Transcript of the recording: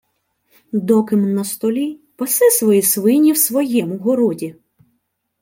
— Доки-м на столі, паси свої свині в своєму городі.